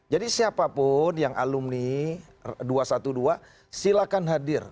jadi siapapun yang alumni dua ratus dua belas silakan hadir